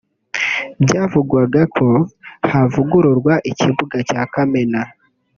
byavugwaga ko havugururwa ikibuga cya Kamena